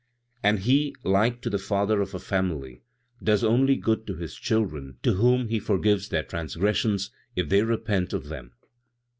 "And He, like to the father of a family, does only good to His children, to whom He forgives their transgressions if they repent of them.